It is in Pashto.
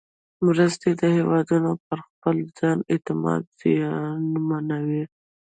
مرستې د هېوادونو پر خپل ځان اعتماد زیانمنوي.